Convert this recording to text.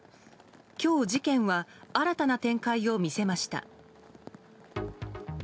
今日、事件は新たな展開を見せました。